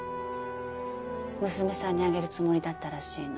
娘さんにあげるつもりだったらしいの。